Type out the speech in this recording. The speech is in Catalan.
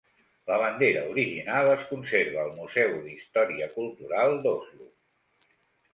La bandera original es conserva al Museu d'Història Cultural d'Oslo.